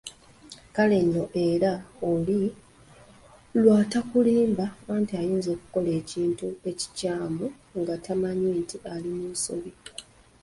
Kale nno era oli lw'atakulimba nti ayinza okukola ekintu ekikyamu nga tamanyi nti ali mu nsobi.